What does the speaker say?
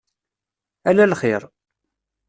Ala lxir.